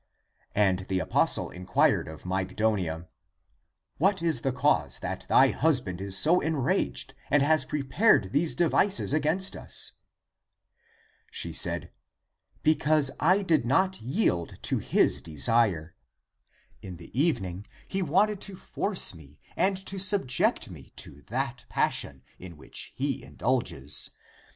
And the apostle inquired of Mygdonia, " What is the cause that thy husband is so enraged and has prepared these devices against us ?" She said, " Because I did not yield to his desire. In the evening he wanted to force me and to subject me to that passion in which he indulges.